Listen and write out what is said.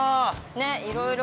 ◆ねえ、いろいろ。